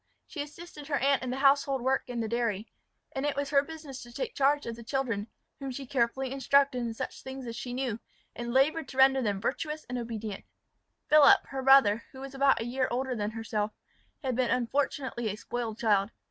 She assisted her aunt in the household work and the dairy; and it was her business to take charge of the children, whom she carefully instructed in such things as she knew, and laboured to render them virtuous and obedient. Philip, her brother, who was about a year older than herself, had been unfortunately a spoiled child.